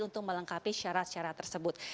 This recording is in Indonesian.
untuk melengkapi syarat syarat tersebut